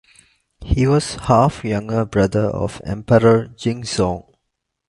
He was half younger brother of Emperor Jingzong.